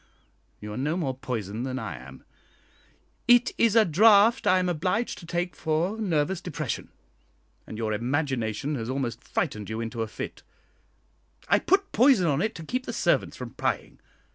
You are no more poisoned than I am; it is a draught I am obliged to take for nervous depression, and your imagination has almost frightened you into a fit. I put 'poison' on it to keep the servants from prying.